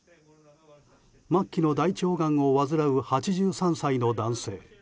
末期の大腸がんを患う８３歳の男性。